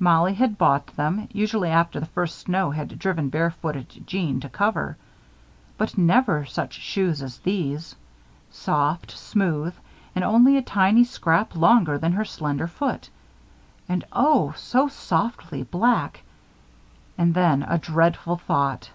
Mollie had bought them, usually after the first snow had driven barefooted Jeanne to cover. But never such shoes as these. Soft, smooth, and only a tiny scrap longer than her slender foot. And oh, so softly black! And then, a dreadful thought.